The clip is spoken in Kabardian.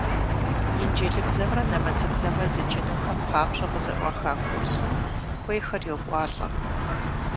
Инджылызыбзэмрэ нэмыцэбзэмрэ зыджынухэм папщӀэ къызэӀуаха курсым хуейхэр йокӀуалӀэ.